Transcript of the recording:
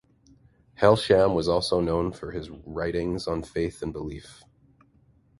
Hailsham was also known for his writings on faith and belief.